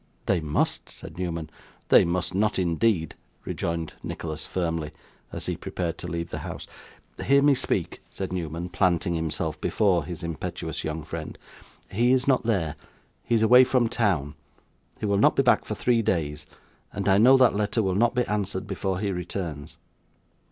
'They must,' said Newman. 'They must not, indeed,' rejoined Nicholas firmly, as he prepared to leave the house. 'Hear me speak,' said Newman, planting himself before his impetuous young friend. 'He is not there. He is away from town. He will not be back for three days; and I know that letter will not be answered before he returns.